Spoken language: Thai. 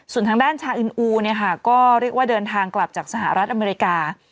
ส่วนทางด้านชาอินอูเนี่ยค่ะก็เรียกว่าเดินทางกลับจากสหรัฐอเมริกา